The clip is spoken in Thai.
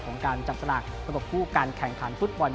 ของการจับสลากระบบคู่การแข่งขันฟุตบอล